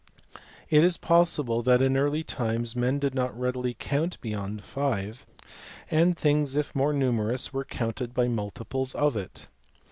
It is possible that in early times men did not readily count beyond five, and things if more numerous were counted by multiples of it.